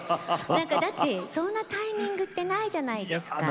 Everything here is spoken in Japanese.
だってそんなタイミングってないじゃないですか。